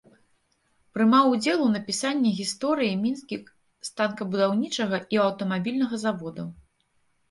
Прымаў удзел у напісанні гісторыі мінскіх станкабудаўнічага і аўтамабільнага заводаў.